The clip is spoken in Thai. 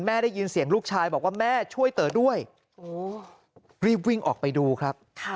ได้ยินเสียงลูกชายบอกว่าแม่ช่วยเต๋อด้วยรีบวิ่งออกไปดูครับ